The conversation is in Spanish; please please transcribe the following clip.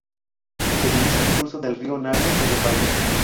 Se divisa el curso del río Navia en el valle.